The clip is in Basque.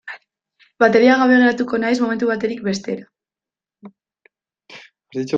Bateria gabe geratuko naiz momentu batetik bestera.